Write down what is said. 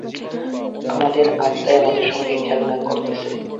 আমাদের আত্মাই আমাদের সঙ্গে খেলা করিতেছেন।